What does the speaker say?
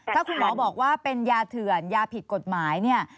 ถ้าคุณหมอบอกว่าเป็นยาเถื่อนยาผิดกฎหมายเนี่ย